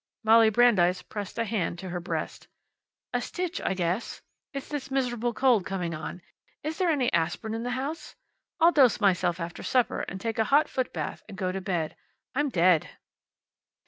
Molly Brandeis pressed a hand to her breast. "A stitch, I guess. It's this miserable cold coming on. Is there any asperin in the house? I'll dose myself after supper, and take a hot foot bath and go to bed. I'm dead."